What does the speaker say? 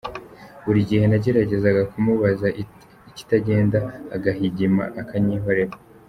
Buri gihe nagerageza kumubaza ikitagenda agahigima akanyihorera.